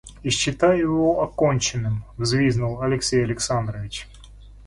И считаю его оконченным, — взвизгнул Алексей Александрович.